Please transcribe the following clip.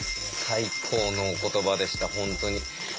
最高のお言葉でした本当に。